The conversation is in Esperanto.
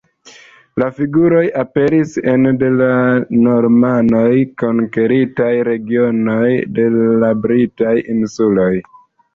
La figuroj aperis en la de la Normanoj konkeritaj regionoj de la Britaj Insuloj.